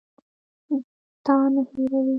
تا نه هېروي.